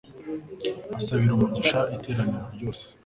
asabira umugisha s iteraniro ryose